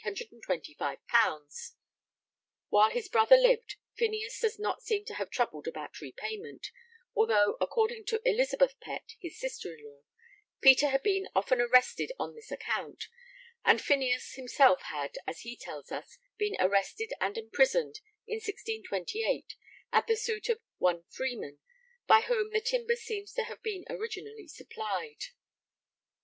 _ While his brother lived Phineas does not seem to have troubled about repayment, although, according to Elizabeth Pett, his sister in law, Peter had been 'often arrested on this account,' and Phineas himself had, as he tells us, been arrested and imprisoned in 1628 at the suit of 'one Freeman,' by whom the timber seems to have been originally supplied.